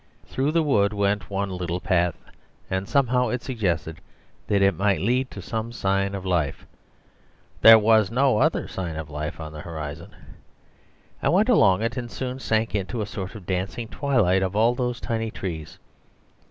Through the wood went one little path, and somehow it suggested that it might lead to some sign of life there was no other sign of life on the horizon. I went along it, and soon sank into a sort of dancing twilight of all those tiny trees.